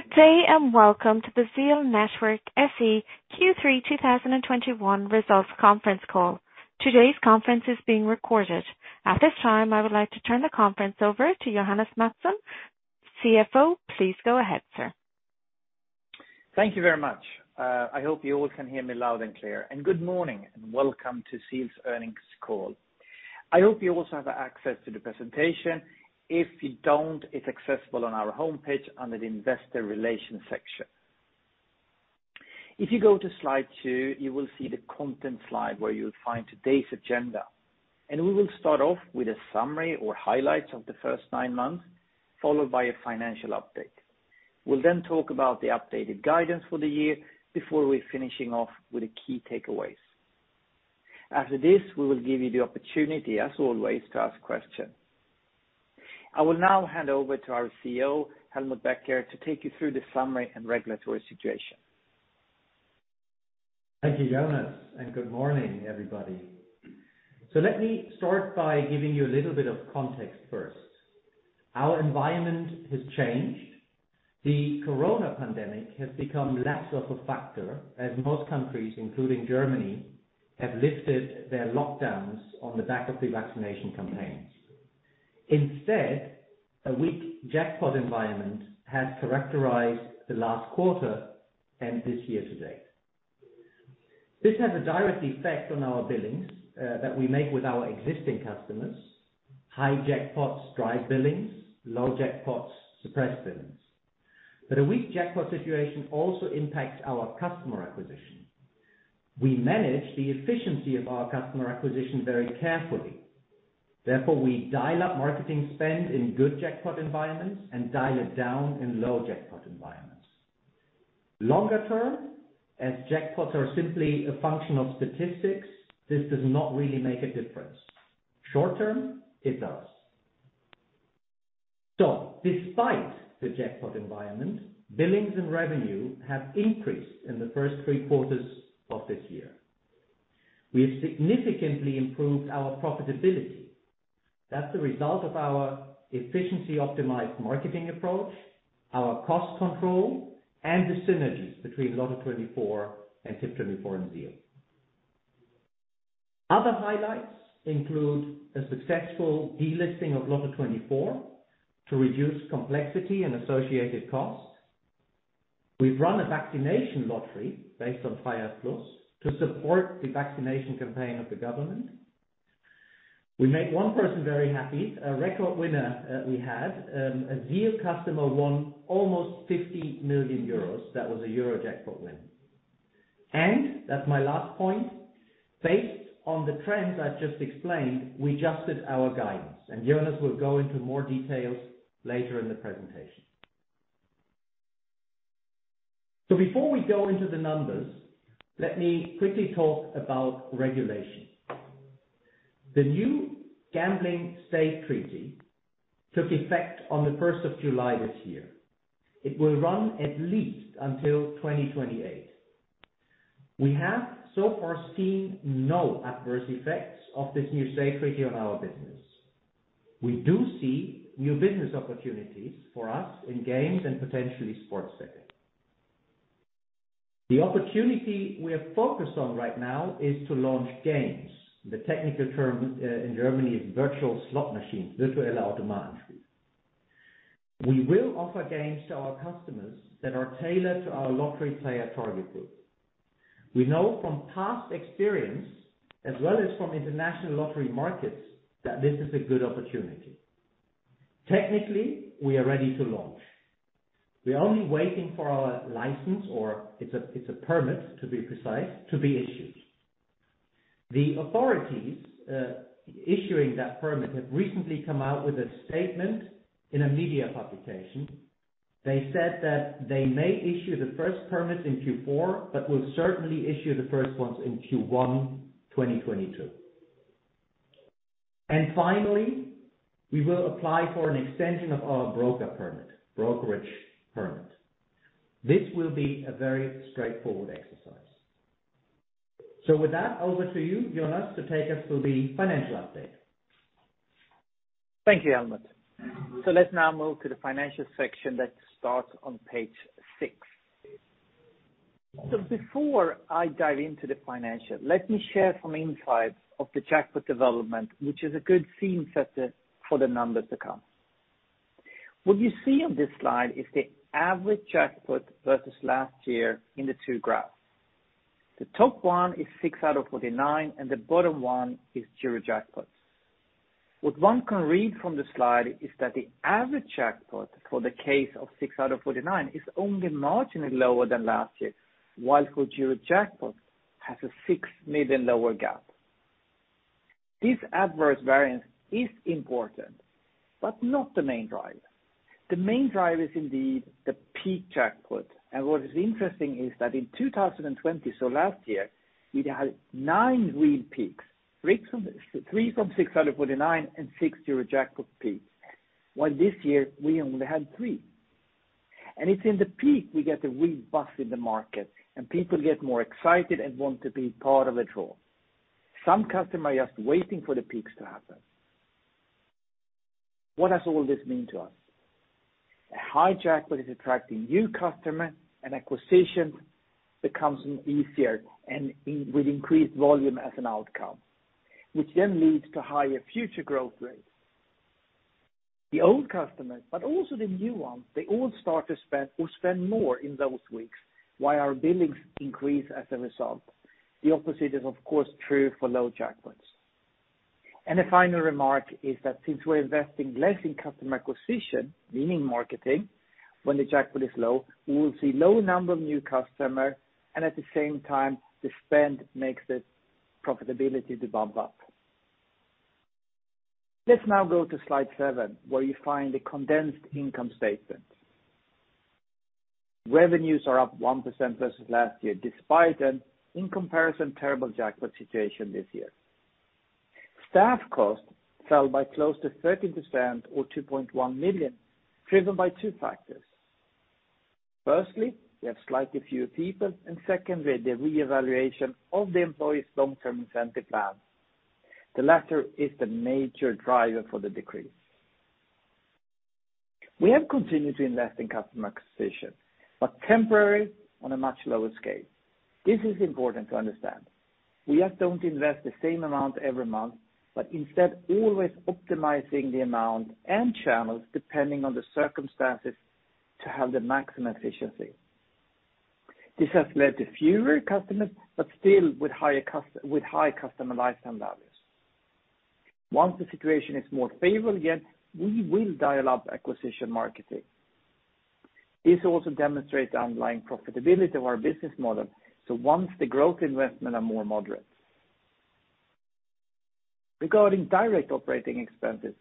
Good day and welcome to the ZEAL Network SE Q3 2021 Results Conference Call. Today's conference is being recorded. At this time, I would like to turn the conference over to Jonas Mattsson, CFO. Please go ahead, sir. Thank you very much. I hope you all can hear me loud and clear. Good morning, and welcome to ZEAL's earnings call. I hope you also have access to the presentation. If you don't, it's accessible on our homepage under the Investor Relations section. If you go to slide two, you will see the content slide where you'll find today's agenda. We will start off with a summary or highlights of the first nine months, followed by a financial update. We'll then talk about the updated guidance for the year before we're finishing off with the key takeaways. After this, we will give you the opportunity, as always, to ask questions. I will now hand over to our CEO, Helmut Becker, to take you through the summary and regulatory situation. Thank you, Jonas, and good morning, everybody. Let me start by giving you a little bit of context first. Our environment has changed. The corona pandemic has become less of a factor as most countries, including Germany, have lifted their lockdowns on the back of the vaccination campaigns. Instead, a weak jackpot environment has characterized the last quarter and this year to date. This has a direct effect on our billings, that we make with our existing customers. High jackpots drive billings, low jackpots suppress billings. A weak jackpot situation also impacts our customer acquisition. We manage the efficiency of our customer acquisition very carefully. Therefore, we dial up marketing spend in good jackpot environments and dial it down in low jackpot environments. Longer term, as jackpots are simply a function of statistics, this does not really make a difference. Short term, it does. Despite the jackpot environment, billings and revenue have increased in the first three quarters of this year. We have significantly improved our profitability. That's the result of our efficiency-optimized marketing approach, our cost control, and the synergies between Lotto24 and Tipp24 and ZEAL. Other highlights include a successful delisting of Lotto24 to reduce complexity and associated costs. We've run a vaccination lottery based on freiheit+ to support the vaccination campaign of the government. We made one person very happy, a record winner, a ZEAL customer won almost 50 million euros. That was a EuroJackpot win. That's my last point, based on the trends I've just explained, we adjusted our guidance, and Jonas will go into more details later in the presentation. Before we go into the numbers, let me quickly talk about regulation. The new gambling state treaty took effect on the 1st of July this year. It will run at least until 2028. We have so far seen no adverse effects of this new state treaty on our business. We do see new business opportunities for us in games and potentially sports betting. The opportunity we are focused on right now is to launch games. The technical term in Germany is virtual slot machines, Virtuelle Automaten. We will offer games to our customers that are tailored to our lottery player target group. We know from past experience, as well as from international lottery markets, that this is a good opportunity. Technically, we are ready to launch. We're only waiting for our license, or it's a permit, to be precise, to be issued. The authorities issuing that permit have recently come out with a statement in a media publication. They said that they may issue the first permit in Q4, but will certainly issue the first ones in Q1, 2022. Finally, we will apply for an extension of our broker permit, brokerage permit. This will be a very straightforward exercise. With that, over to you, Jonas, to take us through the financial update. Thank you, Helmut. Let's now move to the financial section. Let's start on page six. Before I dive into the financial, let me share some insights of the jackpot development, which is a good scene setter for the numbers to come. What you see on this slide is the average jackpot versus last year in the two graphs. The top one is 6aus49 and the bottom one is EuroJackpot. What one can read from the slide is that the average jackpot for the case of 6aus49 is only marginally lower than last year, while for EuroJackpot has a 6 million lower gap. This adverse variance is important, but not the main driver. The main driver is indeed the peak jackpot. What is interesting is that in 2020, so last year, we'd had nine real peaks, three from Lotto 6aus49 and six EuroJackpot peaks. While this year we only had three. It's in the peak, we get a real buzz in the market, and people get more excited and want to be part of the draw. Some customers are just waiting for the peaks to happen. What does all this mean to us? A high jackpot is attracting new customer and acquisition becomes easier and with increased volume as an outcome, which then leads to higher future growth rates. The old customers, but also the new ones, they all start to spend or spend more in those weeks while our billings increase as a result. The opposite is, of course, true for low jackpots. The final remark is that since we're investing less in customer acquisition, meaning marketing, when the jackpot is low, we will see low number of new customer, and at the same time, the spend makes the profitability to bump up. Let's now go to slide seven, where you find the condensed income statement. Revenues are up 1% versus last year, despite an in comparison, terrible jackpot situation this year. Staff costs fell by close to 13% or 2.1 million, driven by two factors. Firstly, we have slightly fewer people, and secondly, the reevaluation of the employees long-term incentive plan. The latter is the major driver for the decrease. We have continued to invest in customer acquisition, but temporarily on a much lower scale. This is important to understand. We just don't invest the same amount every month, but instead, always optimizing the amount and channels depending on the circumstances to have the maximum efficiency. This has led to fewer customers, but still with higher customer lifetime values. Once the situation is more favorable, again, we will dial up acquisition marketing. This also demonstrates the underlying profitability of our business model once the growth investment are more moderate. Regarding direct operating expenses,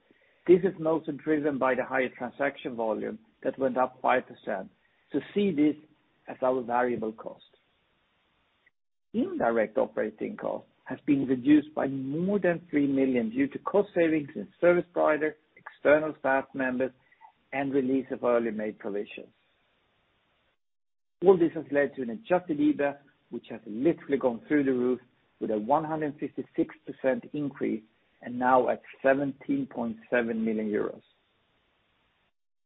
this is mostly driven by the higher transaction volume that went up 5% we see this as our variable cost. Indirect operating costs has been reduced by more than 3 million due to cost savings in service provider, external staff members, and release of early made provisions. All this has led to an adjusted EBITDA, which has literally gone through the roof with a 156% increase and now at 17.7 million euros.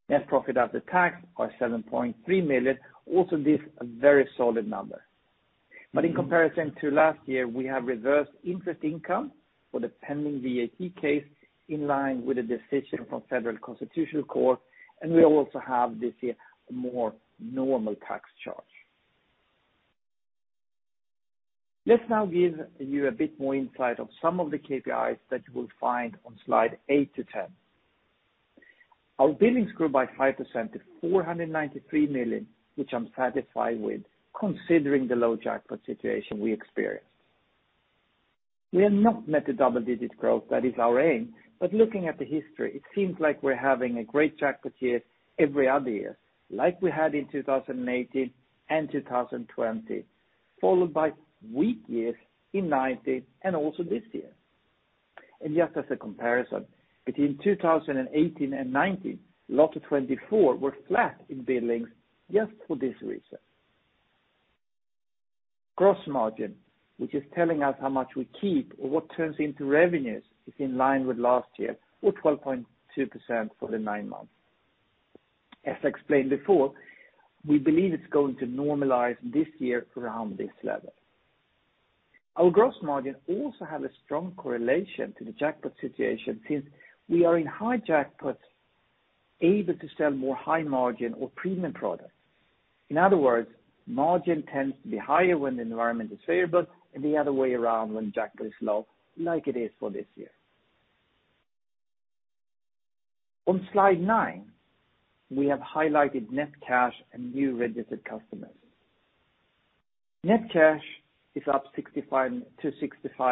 Net profit after tax are 7.3 million, also this a very solid number. In comparison to last year, we have reversed interest income for the pending VAT case in line with the decision from Federal Constitutional Court, and we also have this year a more normal tax charge. Let's now give you a bit more insight of some of the KPIs that you will find on slide 8-10. Our billings grew by 5% to 493 million, which I'm satisfied with, considering the low jackpot situation we experienced. We have not met the double-digit growth that is our aim, but looking at the history, it seems like we're having a great jackpot year every other year, like we had in 2018 and 2020, followed by weak years in 2019 and also this year. Just as a comparison, between 2018 and 2019, Lotto24 were flat in billings just for this reason. Gross margin, which is telling us how much we keep or what turns into revenues, is in line with last year or 12.2% for the nine months. As explained before, we believe it's going to normalize this year around this level. Our gross margin also have a strong correlation to the jackpot situation since we are in high jackpots able to sell more high margin or premium products. In other words, margin tends to be higher when the environment is favorable and the other way around when jackpot is low, like it is for this year. On slide nine, we have highlighted net cash and new registered customers. Net cash is up 65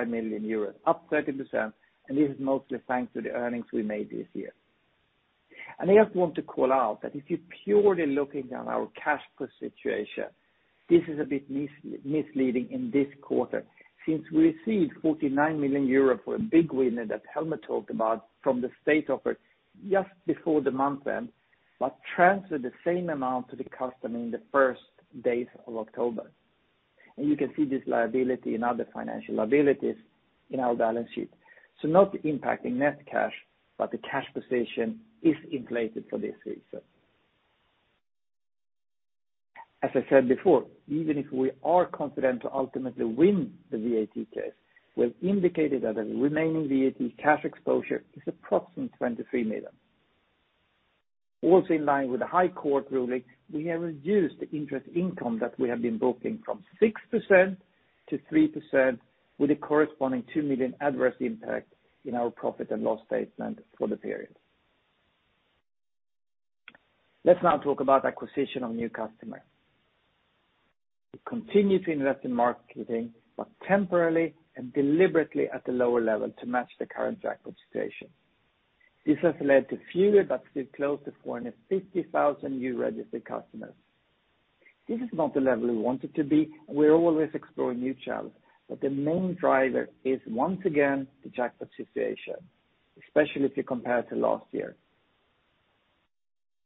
million euros, up 30%, and this is mostly thanks to the earnings we made this year. I just want to call out that if you're purely looking on our cash flow situation, this is a bit misleading in this quarter since we received 49 million euro for a big winner that Helmut talked about from the state offer just before the month end, but transferred the same amount to the customer in the first days of October. You can see this liability in other financial liabilities in our balance sheet. Not impacting net cash, but the cash position is inflated for this reason. As I said before, even if we are confident to ultimately win the VAT case, we have indicated that the remaining VAT cash exposure is approximately 23 million. Also, in line with the High Court ruling, we have reduced the interest income that we have been booking from 6% to 3% with a corresponding 2 million adverse impact in our profit and loss statement for the period. Let's now talk about acquisition of new customer. We continue to invest in marketing, but temporarily and deliberately at a lower level to match the current jackpot situation. This has led to fewer but still close to 450,000 new registered customers. This is not the level we want it to be. We always explore new channels, but the main driver is once again the jackpot situation, especially if you compare to last year.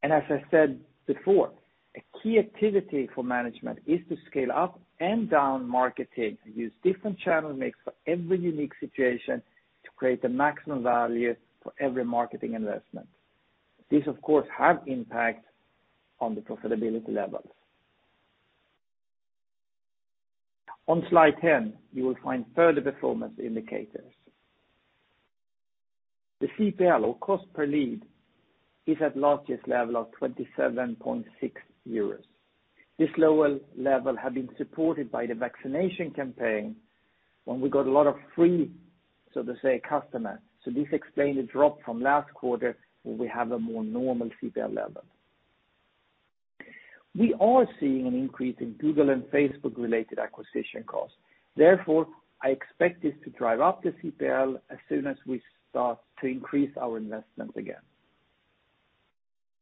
As I said before, a key activity for management is to scale up and down marketing, use different channel mix for every unique situation to create the maximum value for every marketing investment. This, of course, have impact on the profitability levels. On slide 10, you will find further performance indicators. The CPL, or cost per lead, is at lowest level of 27.6 euros. This lower level have been supported by the vaccination campaign when we got a lot of free, so to say, customers. This explained the drop from last quarter, where we have a more normal CPL level. We are seeing an increase in Google and Facebook-related acquisition costs. Therefore, I expect this to drive up the CPL as soon as we start to increase our investment again.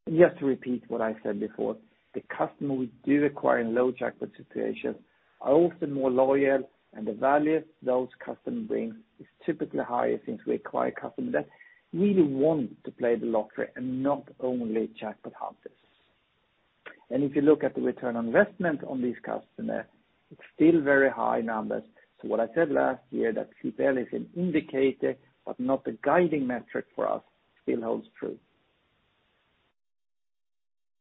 Just to repeat what I said before, the customer we do acquire in low jackpot situations are often more loyal, and the value those customers bring is typically higher since we acquire customers that really want to play the lottery and not only jackpot hunters. If you look at the return on investment on these customers, it's still very high numbers. What I said last year, that CPL is an indicator but not the guiding metric for us, still holds true.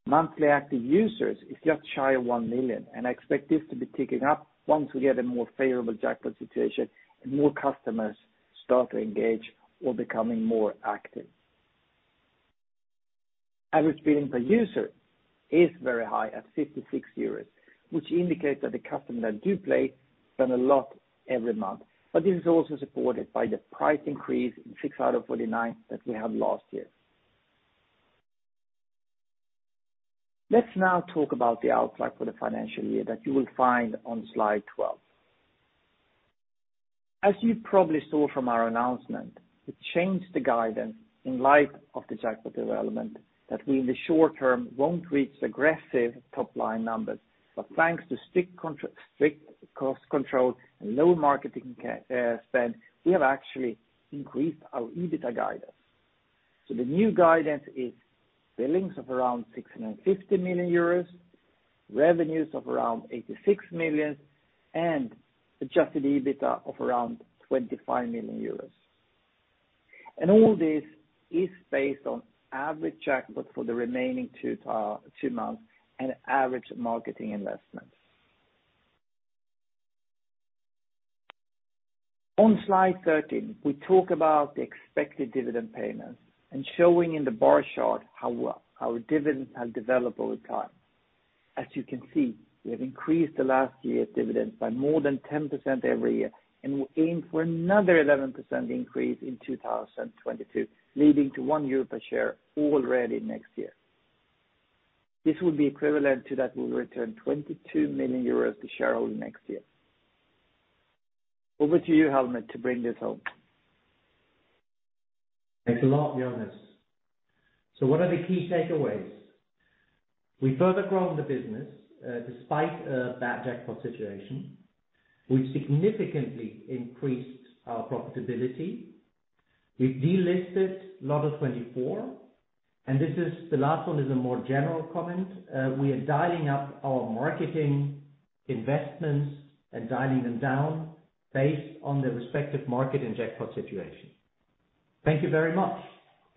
Monthly active users is just shy of 1 million, and I expect this to be ticking up once we get a more favorable jackpot situation and more customers start to engage or becoming more active. Average spending per user is very high at 56 euros, which indicates that the customers that do play spend a lot every month. This is also supported by the price increase in Lotto 6aus49 that we had last year. Let's now talk about the outlook for the financial year that you will find on slide 12. As you probably saw from our announcement, we changed the guidance in light of the jackpot development that we in the short-term won't reach aggressive top-line numbers. Thanks to strict cost control and low marketing spend, we have actually increased our EBITDA guidance. The new guidance is billings of around 650 million euros, revenues of around 86 million, and adjusted EBITDA of around 25 million euros. All this is based on average jackpot for the remaining two months and average marketing investments. On slide 13, we talk about the expected dividend payments and showing in the bar chart how well our dividends have developed over time. As you can see, we have increased the last year's dividends by more than 10% every year, and we aim for another 11% increase in 2022, leading to 1 euro per share already next year. This will be equivalent to that we'll return 22 million euros to shareholders next year. Over to you, Helmut, to bring this home. Thanks a lot, Jonas. What are the key takeaways? We have further grown the business despite a bad jackpot situation. We significantly increased our profitability. We delisted Lotto24. This is, the last one is a more general comment. We are dialing up our marketing investments and dialing them down based on the respective market and jackpot situation. Thank you very much.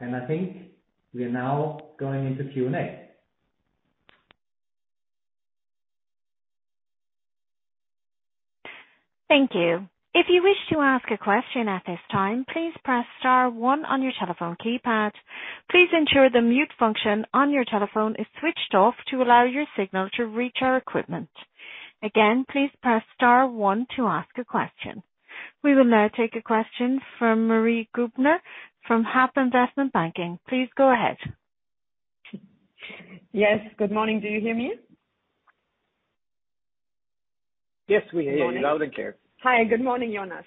I think we are now going into Q&A. Thank you. If you wish to ask a question at this time, please press star one on your telephone keypad. Please ensure the mute function on your telephone is switched off to allow your signal to reach our equipment. Again, please press star one to ask a question. We will now take a question from Marie-Thérèse Grübner from Hauck Aufhäuser Investment Banking. Please go ahead. Yes, good morning. Do you hear me? Yes, we hear you loud and clear. Hi, good morning, Jonas.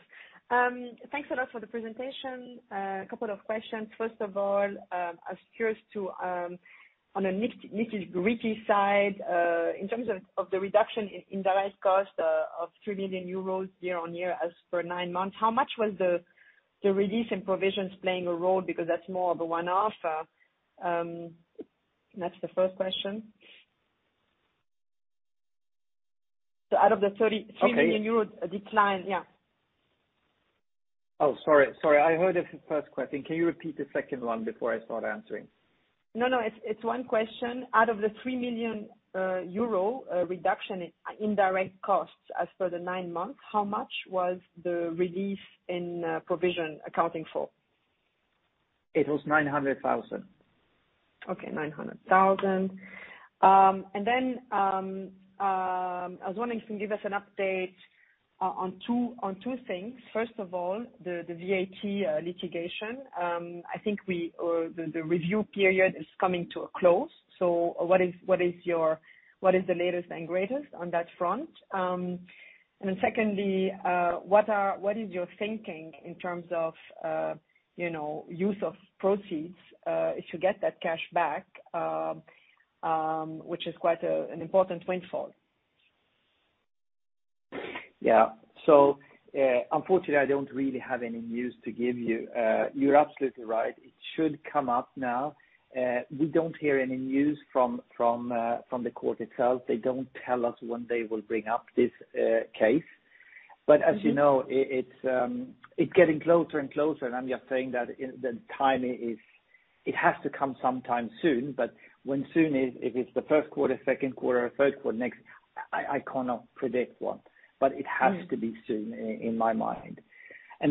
Thanks a lot for the presentation. A couple of questions. First of all, I was curious, on a nitty-gritty side, in terms of the reduction in direct costs of 3 million euros year-on-year as per nine months, how much was the release in provisions playing a role? Because that's more of a one-off. That's the first question. Out of the 30- Okay. 3 million euro decline. Yeah. Oh, sorry. I heard the first question. Can you repeat the second one before I start answering? No, no. It's one question. Out of the 3 million euro reduction in indirect costs as for the nine months, how much was the release in provision accounting for? It was 900,000. 900,000. I was wondering if you can give us an update on two things. First of all, the VAT litigation. I think the review period is coming to a close. What is the latest and greatest on that front? Secondly, what is your thinking in terms of, you know, use of proceeds, if you get that cash back, which is quite an important windfall? Yeah. Unfortunately, I don't really have any news to give you. You're absolutely right. It should come up now. We don't hear any news from the court itself. They don't tell us when they will bring up this case. As you know, it's getting closer and closer, and I'm just saying that the timing is it has to come sometime soon, but when soon is, if it's the first quarter, second quarter, or third quarter next, I cannot predict what, but it has to be soon in my mind.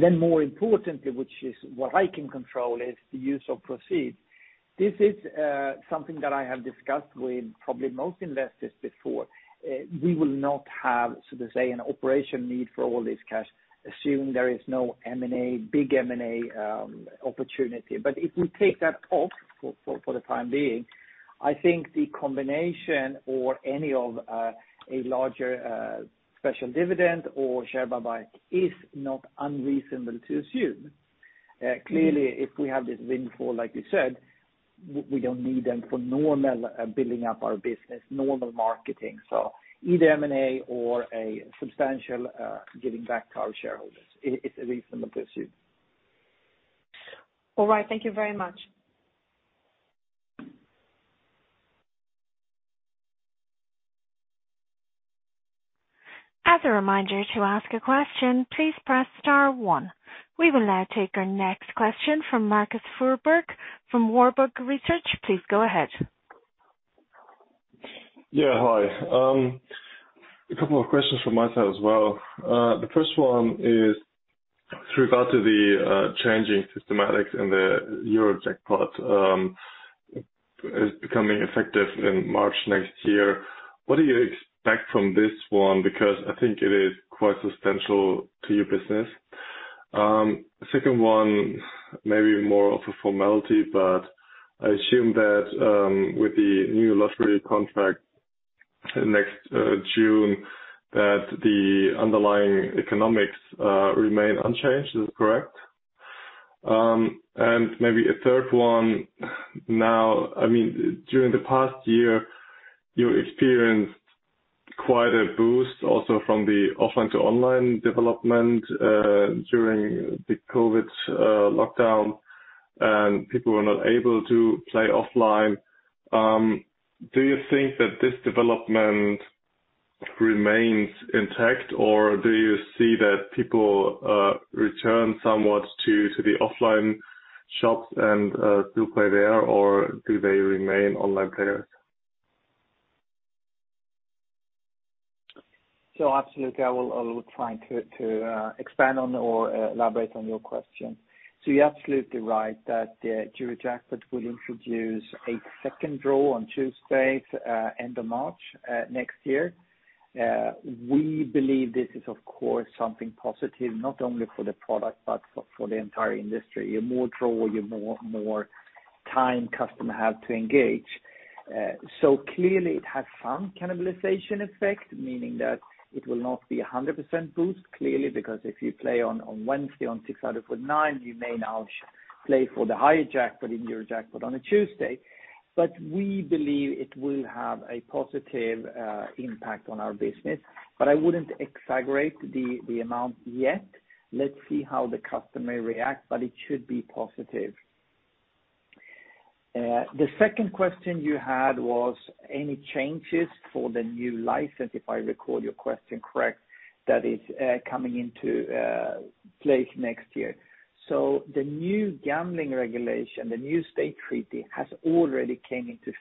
Then more importantly, which is what I can control, is the use of proceeds. This is something that I have discussed with probably most investors before. We will not have, so to say, an operational need for all this cash, assuming there is no M&A—big M&A opportunity. If we take that off for the time being, I think the combination or any of a larger special dividend or share buyback is not unreasonable to assume. Clearly, if we have this windfall, like you said, we don't need them for normal building up our business, normal marketing. Either M&A or a substantial giving back to our shareholders is a reasonable pursuit. All right. Thank you very much. As a reminder to ask a question, please press star one. We will now take our next question from Marius Fuhrberg from Warburg Research. Please go ahead. Yeah, hi. A couple of questions from my side as well. The first one is regarding the changing systematics in the EuroJackpot is becoming effective in March next year. What do you expect from this one? Because I think it is quite substantial to your business. Second one, maybe more of a formality, but I assume that with the new lottery contract next June, that the underlying economics remain unchanged. Is that correct? Maybe a third one now. I mean, during the past year, you experienced quite a boost also from the offline to online development during the COVID lockdown, and people were not able to play offline. Do you think that this development remains intact, or do you see that people return somewhat to the offline shops and still play there, or do they remain online players? Absolutely. I will try to expand on or elaborate on your question. You're absolutely right that EuroJackpot will introduce a second draw on Tuesdays, end of March next year. We believe this is, of course, something positive, not only for the product, but for the entire industry. You have more draws, more time customers have to engage. Clearly it has some cannibalization effect, meaning that it will not be a 100% boost, clearly, because if you play on Wednesday on 6aus49, you may now simply play for the higher jackpot in EuroJackpot on a Tuesday. We believe it will have a positive impact on our business. I wouldn't exaggerate the amount yet. Let's see how the customer may react, but it should be positive. The second question you had was any changes for the new license, if I recall your question correct, that is, coming into place next year. The new gambling regulation, the new state treaty, has already came into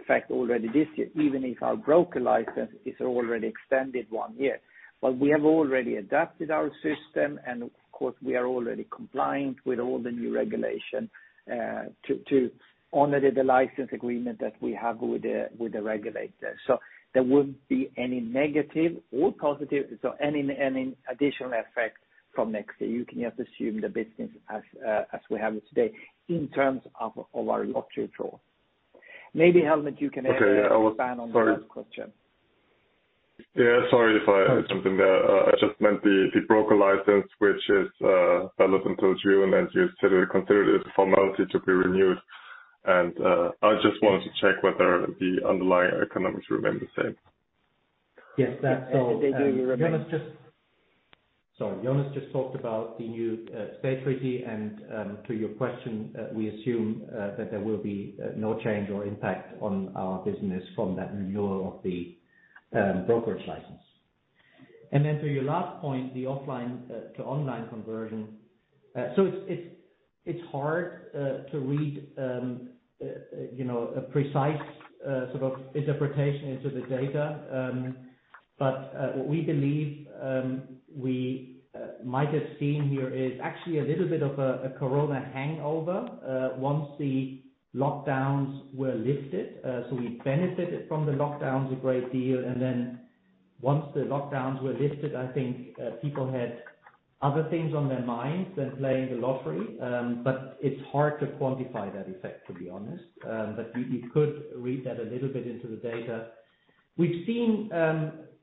effect already this year, even if our broker license is already extended one year. We have already adapted our system, and of course, we are already compliant with all the new regulation, to honor the license agreement that we have with the regulators. There wouldn't be any negative or positive, so any additional effect from next year. You can just assume the business as we have it today in terms of our lottery draw. Maybe, Helmut, you can Okay. Expand on the last question. Yeah, sorry if I jumped in there. I just meant the broker license, which is valid until June, as you consider it a formality to be renewed. I just wanted to check whether the underlying economics remain the same. Yes, that's so. They do remain. Jonas just talked about the new state treaty, and to your question, we assume that there will be no change or impact on our business from that renewal of the brokerage license. To your last point, the offline to online conversion, it's hard to read, you know, a precise sort of interpretation into the data. What we believe we might have seen here is actually a little bit of a corona hangover once the lockdowns were lifted. We benefited from the lockdowns a great deal, and then once the lockdowns were lifted, I think people had other things on their minds than playing the lottery. It's hard to quantify that effect, to be honest. We could read that a little bit into the data. We've seen,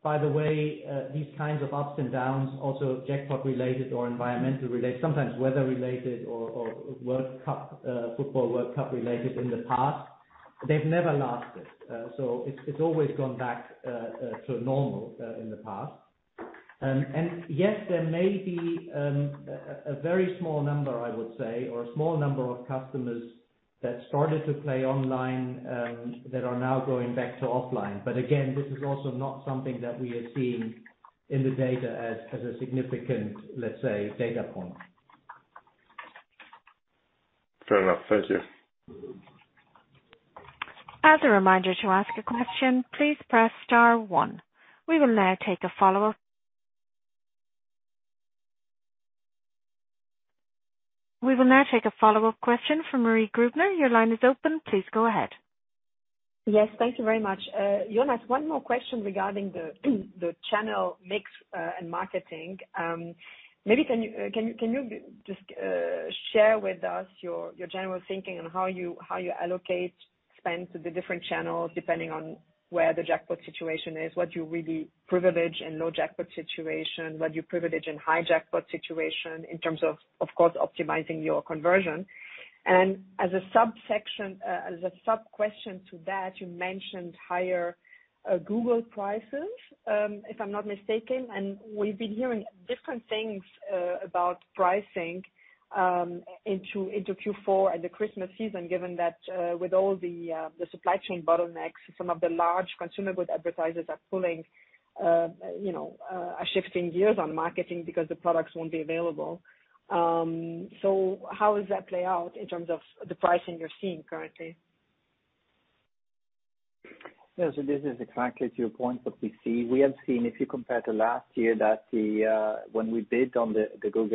by the way, these kinds of ups and downs also jackpot related or environmentally related, sometimes weather related or World Cup, football World Cup related in the past. They've never lasted. It's always gone back to normal in the past. Yes, there may be a very small number, I would say, or a small number of customers that started to play online that are now going back to offline. Again, this is also not something that we are seeing in the data as a significant, let's say, data point. Fair enough. Thank you. As a reminder, to ask a question, please press star one. We will now take a follow-up question from Marie Grübner. Your line is open. Please go ahead. Yes. Thank you very much. Jonas, one more question regarding the channel mix and marketing. Maybe can you just share with us your general thinking on how you allocate spend to the different channels depending on where the jackpot situation is? What you really privilege in low jackpot situation, what you privilege in high jackpot situation in terms of course, optimizing your conversion? As a subsection, as a sub question to that, you mentioned higher Google prices, if I'm not mistaken, and we've been hearing different things about pricing into Q4 and the Christmas season, given that with all the supply chain bottlenecks, some of the large consumer advertisers are pulling, you know, are shifting gears on marketing because the products won't be available. How does that play out in terms of the pricing you're seeing currently? Yeah. This is exactly to your point what we see. We have seen, if you compare to last year, that when we bid on the Google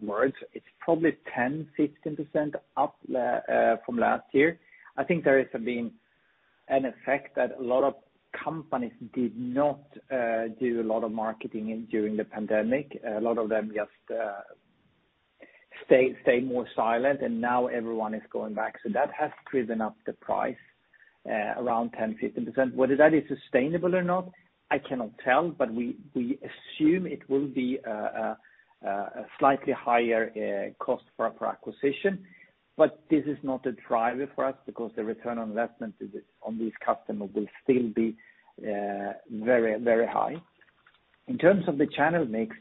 words, it's probably 10%-15% up from last year. I think there has been an effect that a lot of companies did not do a lot of marketing during the pandemic. A lot of them just stay more silent, and now everyone is going back. That has driven up the price around 10%-15%. Whether that is sustainable or not, I cannot tell, but we assume it will be a slightly higher cost per acquisition. But this is not a driver for us because the return on investment on these customers will still be very high. In terms of the channel mix,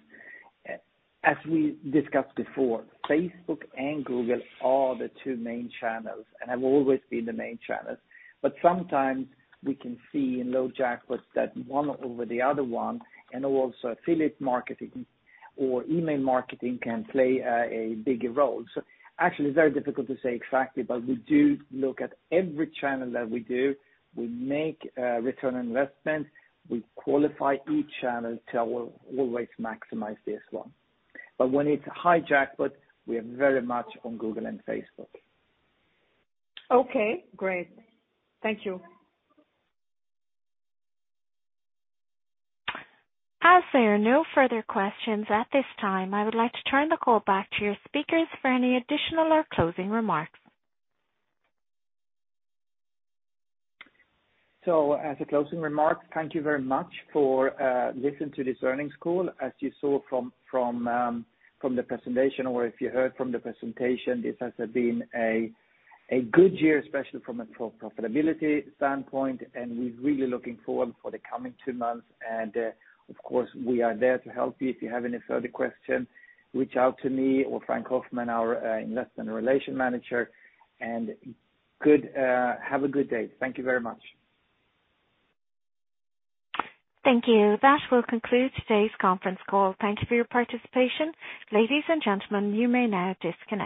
as we discussed before, Facebook and Google are the two main channels and have always been the main channels. Sometimes we can see in low jackpots that one over the other one and also affiliate marketing or email marketing can play a bigger role. Actually, it's very difficult to say exactly, but we do look at every channel that we do. We make return on investment. We qualify each channel to always maximize this as well. When it's high jackpot, we are very much on Google and Facebook. Okay. Great. Thank you. As there are no further questions at this time, I would like to turn the call back to your speakers for any additional or closing remarks. As a closing remark, thank you very much for listening to this earnings call. As you saw from the presentation or if you heard from the presentation, this has been a good year, especially from a profitability standpoint, and we're really looking forward to the coming two months. Of course, we are there to help you. If you have any further question, reach out to me or Frank Hoffmann, our Investor Relations Manager. Have a good day. Thank you very much. Thank you. That will conclude today's conference call. Thank you for your participation. Ladies and gentlemen, you may now disconnect.